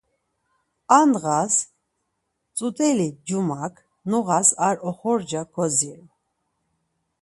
Ar ndğas tzut̆eli cumak noğas ar oxorca kodziru.